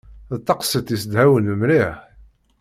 D taqsiṭ yessedhawen mliḥ.